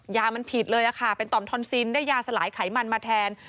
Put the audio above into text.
ยามันผิดเลยค่ะเป็นต่อมทอนซินได้ยาสลายไขมันมาแทน